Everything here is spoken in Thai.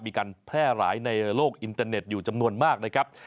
มีการแพร่หลายในโลกอินเตอร์เน็ตอยู่จำนวนมากนะครับ